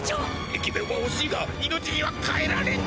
駅弁はおしいが命にはかえられん。